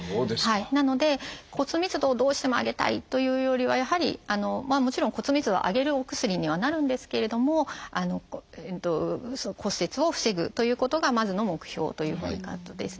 なので骨密度をどうしても上げたいというよりはやはりもちろん骨密度を上げるお薬にはなるんですけれども骨折を防ぐということがまずの目標ということになるんですね。